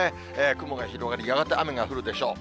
雲が広がり、やがて雨が降るでしょう。